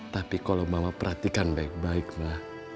tapi kalau mama perhatikan baik baik mbak